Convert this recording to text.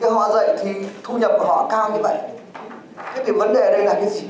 họ dạy thì thu nhập của họ cao như vậy